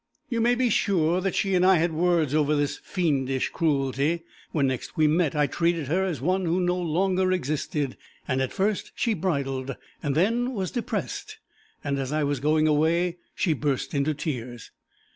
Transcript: You may be sure that she and I had words over this fiendish cruelty. When next we met I treated her as one who no longer existed, and at first she bridled and then was depressed, and as I was going away she burst into tears.